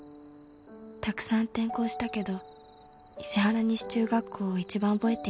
「たくさん転校したけど伊勢原西中学校を一番覚えています」